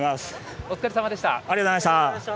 お疲れさまでした。